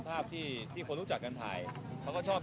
มีความสติดสนมพอสมควร